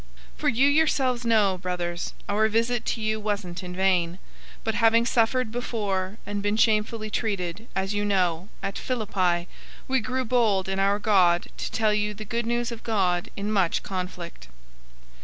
002:001 For you yourselves know, brothers, our visit to you wasn't in vain, 002:002 but having suffered before and been shamefully treated, as you know, at Philippi, we grew bold in our God to tell you the Good News of God in much conflict.